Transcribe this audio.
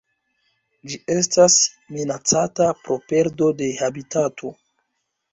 Ĝi estas minacata pro perdo de habitato.